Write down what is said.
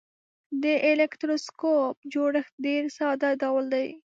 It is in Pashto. د الکتروسکوپ جوړښت ډیر ساده ډول دی.